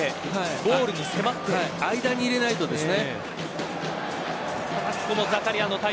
ゴールに迫って間に入れないとですね。